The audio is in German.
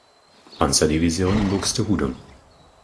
Panzerdivision in Buxtehude.